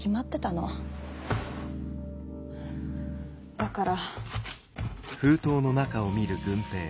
だから。